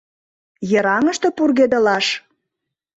— Йыраҥыште пургедылаш?